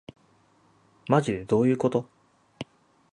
まじでどういうこと